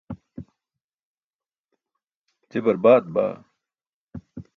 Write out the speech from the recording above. je baraat baa.